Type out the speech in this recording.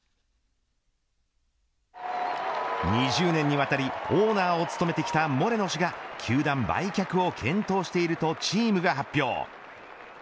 ２０年にわたりオーナーを務めてきたモレノ氏が球団売却を検討しているとチームが発表。